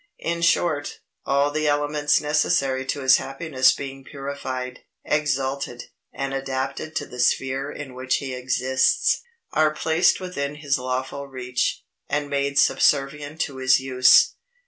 In short, all the elements necessary to his happiness being purified, exalted, and adapted to the sphere in which he exists, are placed within his lawful reach, and made subservient to his use.